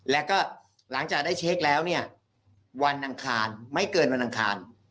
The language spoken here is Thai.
แล้วก็หลังจากได้เช็คแล้วเนี่ยวันอังคารไม่เกินวันอังคาร